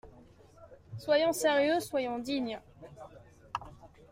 Soyons sérieux, soyons dignes.